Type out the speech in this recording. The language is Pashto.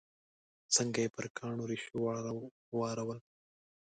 څنګه یې پر کاڼو ریشو واورول.